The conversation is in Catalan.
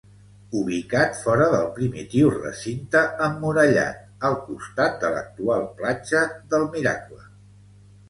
Ubicat fora del primitiu recinte emmurallat, al costat de l'actual platja del Miracle.